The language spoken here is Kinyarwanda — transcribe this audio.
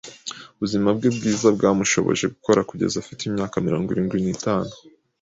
Ubuzima bwe bwiza bwamushoboje gukora kugeza afite imyaka mirongo irindwi n'itanu.